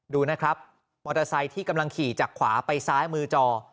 ดูนะครับมอเตอร์ไซค์ที่กำลังขี่จากขวาไปซ้ายมือจอ